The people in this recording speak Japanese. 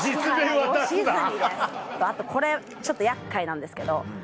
あとこれちょっと厄介なんですけど。